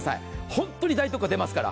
本当に大特価出ますから。